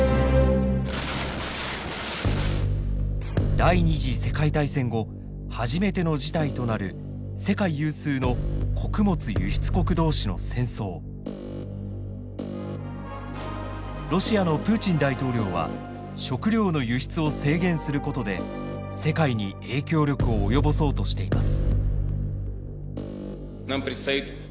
第２次世界大戦後初めての事態となる世界有数のロシアのプーチン大統領は食料の輸出を制限することで世界に影響力を及ぼそうとしています。